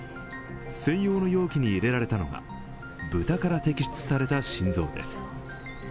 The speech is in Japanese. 専用の容器に入れられたのが豚から摘出された心臓です。